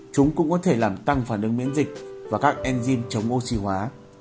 chúng cũng có thể làm tăng phản ứng miễn dịch và các enzym chống oxy hóa